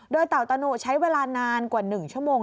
โดยเต่าตะหนุใช้เวลานานกว่า๑ชั่วโมง